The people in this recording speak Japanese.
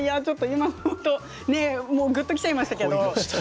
ちょっと今、本当ぐっときちゃいましたけど。